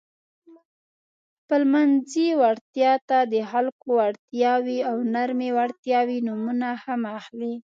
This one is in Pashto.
خپلمنځي وړتیا ته د خلکو وړتیاوې او نرمې وړتیاوې نومونه هم اخلي.